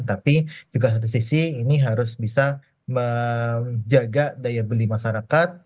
tapi juga satu sisi ini harus bisa menjaga daya beli masyarakat